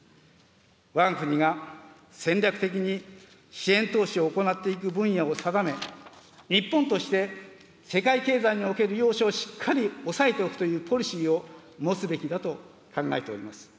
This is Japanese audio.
わが国が戦略的に支援投資を行っていく分野を定め、日本として世界経済における要所をしっかり押さえていくというポリシーを持つべきだと考えております。